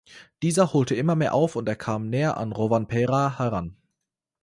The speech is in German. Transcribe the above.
Dieser holte immer mehr auf und er kam näher an Rovanperä heran.